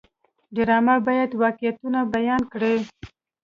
ډرامه باید واقعیتونه بیان کړي